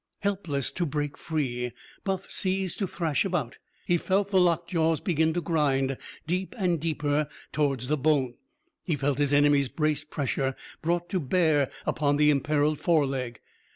Helpless to break free, Buff ceased to thrash about. He felt the locked jaws begin to grind, deep and deeper towards the bone. He felt his enemy's braced pressure brought to bear upon the imperilled foreleg.